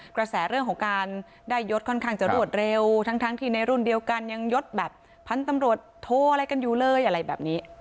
กระแสเรื่องของการได้ยดค่อนข้างจะรวดเร็วทั้งที่ในรุ่นเดียวกันยังยดแบบพันธุ์ตำรวจโทอะไรกันอยู่เลยอะไรแบบนี้